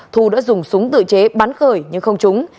thu đã dùng súng tự chế bắn khởi nhưng không trúng